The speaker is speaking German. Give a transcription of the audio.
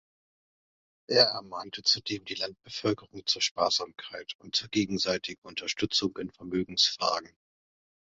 Er ermahnte zudem die Landbevölkerung zur Sparsamkeit und zur gegenseitigen Unterstützung in Vermögensfragen.